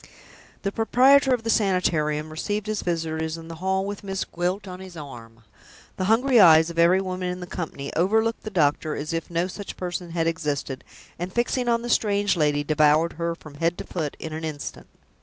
The proprietor of the Sanitarium received his visitors in the hall with Miss Gwilt on his arm. The hungry eyes of every woman in the company overlooked the doctor as if no such person had existed; and, fixing on the strange lady, devoured her from head to foot in an instant.